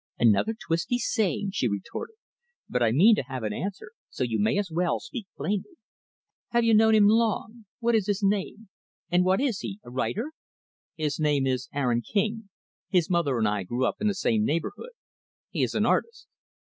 "Another twisty saying," she retorted. "But I mean to have an answer, so you may as well speak plainly. Have you known him long? What is his name? And what is he a writer?" "His name is Aaron King. His mother and I grew up in the same neighborhood. He is an artist."